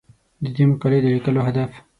د دې مقالې د لیکلو هدف